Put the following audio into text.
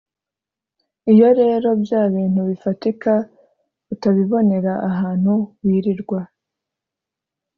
iyo rero bya bintu bifatika utabibonera ahantu wirirwa